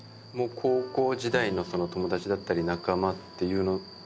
高校時代のその友達だったり仲間っていうの。